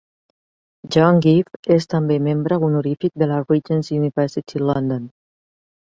John Gieve és també membre honorífic de la Regent's University London.